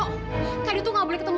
kak aido itu gak boleh ketemu